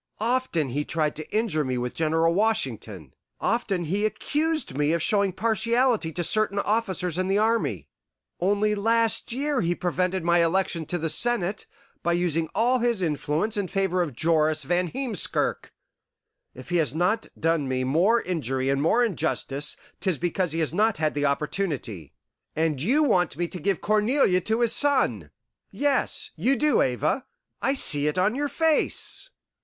Often he tried to injure me with General Washington; often he accused me of showing partiality to certain officers in the army; only last year he prevented my election to the Senate by using all his influence in favour of Joris Van Heemskirk. If he has not done me more injury and more injustice, 'tis because he has not had the opportunity. And you want me to give Cornelia to his son! Yes, you do, Ava! I see it on your face.